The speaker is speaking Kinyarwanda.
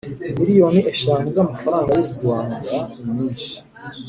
miliyoni eshanu z amafaranga y u Rwandaninyinshi